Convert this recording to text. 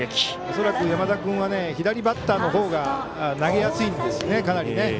恐らく山田君は左バッターのほうが投げやすいんですね、かなり。